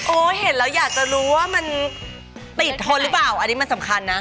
เห็นแล้วอยากจะรู้ว่ามันติดทนหรือเปล่าอันนี้มันสำคัญนะ